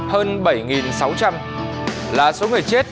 hơn bảy sáu trăm linh là số người chết vì tác nạn do khách